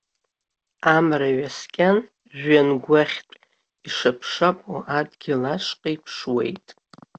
Амра ҩаскьан жәҩангәахьтә ишапшапуа адгьыл ашҟа иԥшуеит.